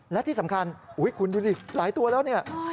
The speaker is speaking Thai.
และที่สำคัญคุณดูสิหลายตัวแล้วเนี่ย